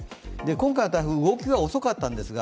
今回の台風動きが遅かったんですが